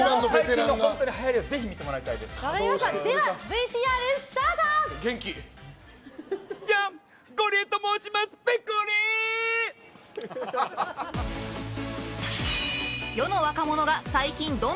ではＶＴＲスタート！じゃん！